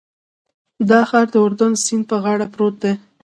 دا ښار د اردن سیند په غاړه پروت دی.